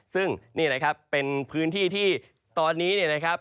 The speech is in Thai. ซึ่งนี่นะครับเป็นพื้นที่ที่ตอนนี้เนี่ยนะครับ